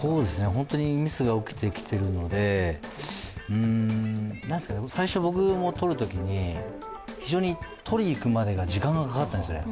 本当にミスが起きてきているので、最初、僕も撮るときに非常に取りに行くまでが時間がかかったんですよね。